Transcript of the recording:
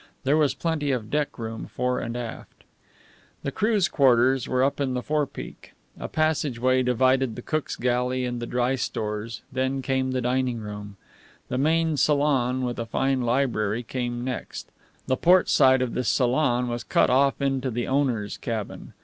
There was plenty of deck room fore and aft. The crew's quarters were up in the forepeak. A passage way divided the cook's galley and the dry stores, then came the dining salon. The main salon, with a fine library, came next. The port side of this salon was cut off into the owner's cabin.